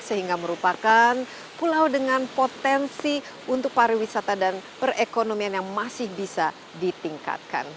sehingga merupakan pulau dengan potensi untuk pariwisata dan perekonomian yang masih bisa ditingkatkan